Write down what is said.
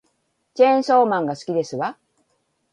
チェーンソーマンが好きですわ